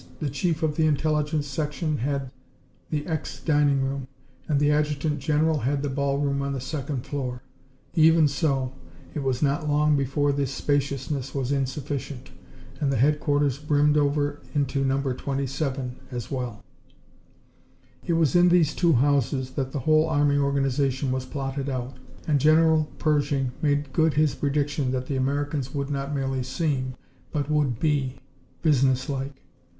The chief of the Intelligence Section had the ex dining room, and the adjutant general had the ballroom on the second floor. Even so, it was not long before this spaciousness was insufficient, and the headquarters brimmed over into No. 27 as well. It was in these two houses that the whole army organization was plotted out, and General Pershing made good his prediction that the Americans would not merely seem, but would be, businesslike.